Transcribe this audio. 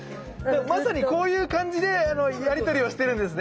まさにこういう感じでやり取りをしてるんですね。